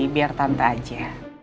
biar tante aja